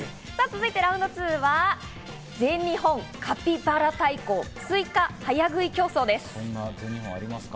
続いてラウンド２、全日本カピバラ対抗スイカ早食い競争です。